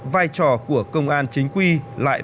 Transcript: vai trò của công an chính quy lại